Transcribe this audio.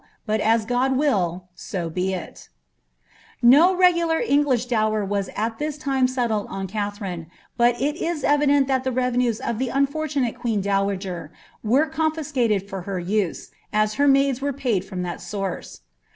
But as God will, so be it*' * No regular English dower was at this time settled on Katherine, bat it is evident that the revenues of the unfortunate queen dowager were confiscated for her use, as her maids were paid from that source.